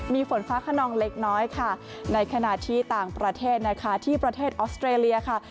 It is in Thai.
มีฝนฟ้าขนองเล็กน้อยค่ะในขณะที่ต่างประเทศนะคะที่ประเทศออสเตรเลียค่ะ